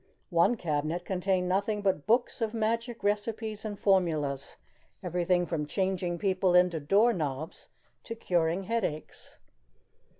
One cabinet contained nothing but books of magic recipes and formulas everything from changing people into door knobs to curing headaches.